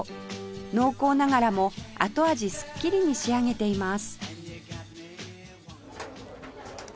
濃厚ながらも後味すっきりに仕上げています